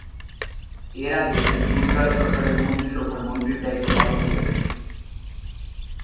এর আগে তিনি গুজরাট সরকারের মন্ত্রিসভার মন্ত্রীর দায়িত্ব পালন করেছেন।